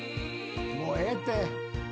もうええて。